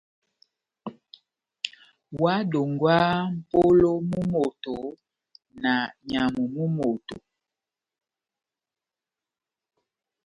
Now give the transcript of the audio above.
Óhádongwaha mʼpolo mú moto na nyamu mú moto.